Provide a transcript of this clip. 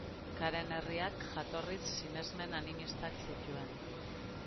Karen herriak jatorriz sinesmen animistak zituen.